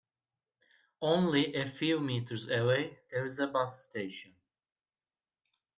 Only a few meters away there is a bus station.